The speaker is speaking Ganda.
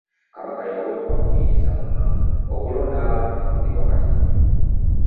Kabaka yaweebwa obuyinza mu nnono okulonda abaami abakulirwa Katikkiro.